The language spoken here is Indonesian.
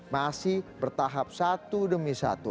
masih bertahap satu demi satu